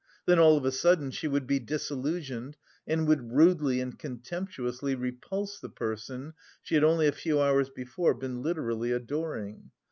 Then all of a sudden she would be disillusioned and would rudely and contemptuously repulse the person she had only a few hours before been literally adoring.